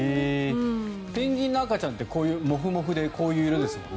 ペンギンの赤ちゃんってこういうモフモフでこういう色ですもんね。